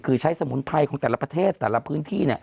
คือใช้สมุนไพรของแต่ละประเทศแต่ละพื้นที่